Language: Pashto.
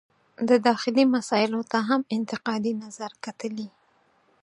د داخلي مسایلو ته هم انتقادي نظر کتلي.